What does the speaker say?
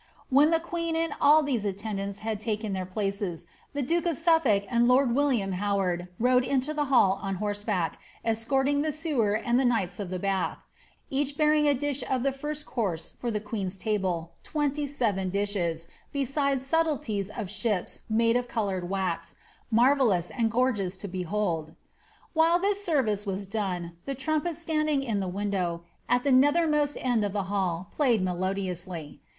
When the queen and all these attendants had taken their places, the duke of Suffolk and lord William Howard rode into the hall on horseback, escorting the sewer and the knights of the Bath, each bearing a dish of the first course for the queen's table, twenty seven dishes, besides ^ sub tleties of ships made of coloured wax, marvellous and gorgeous to be hold/' While this service was done, the trumpets standing in the window, at the nethermost end of the hall, played melodiously.